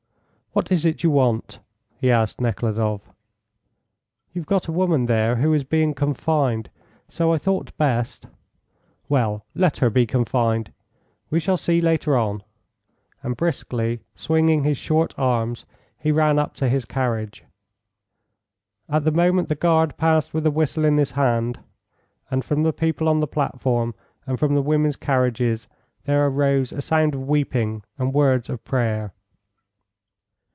"What is it you want?" he asked Nekhludoff. "You've got a woman there who is being confined, so I thought best " "Well, let her be confined; we shall see later on," and briskly swinging his short arms, he ran up to his carriage. At the moment the guard passed with a whistle in his hand, and from the people on the platform and from the women's carriages there arose a sound of weeping and words of prayer.